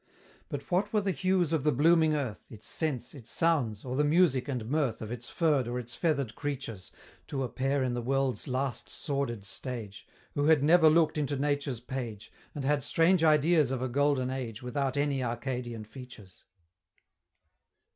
But what were the hues of the blooming earth, Its scents its sounds or the music and mirth Of its furr'd or its feather'd creatures, To a Pair in the world's last sordid stage, Who had never look'd into Nature's page, And had strange ideas of a Golden Age, Without any Arcadian features?